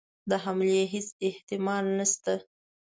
د حملې هیڅ احتمال نسته.